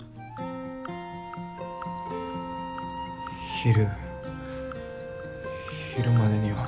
昼昼までには。